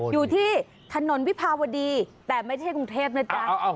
อยู่ที่ถนนวิภาวดีแต่ไม่ใช่กรุงเทพนะจ๊ะ